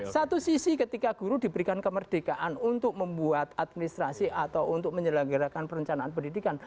satu sisi ketika guru diberikan kemerdekaan untuk membuat administrasi atau untuk menyelenggarakan perencanaan pendidikan